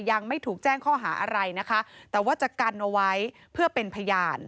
ยังไม่ถูกแจ้งข้อหาอะไรนะคะแต่ว่าจะกันเอาไว้เพื่อเป็นพยาน